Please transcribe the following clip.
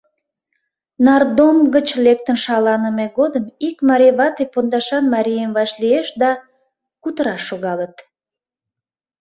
Нардом гыч лектын шаланыме годым ик марий вате пондашан марийым вашлиеш да, кутыраш шогалыт.